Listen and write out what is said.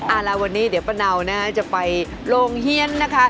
เอาละวันนี้เดี๋ยวป้าเนานะฮะจะไปโรงเฮียนนะคะ